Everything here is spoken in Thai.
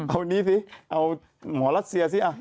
เอานี้สิเอาหมอรัสเซียสิ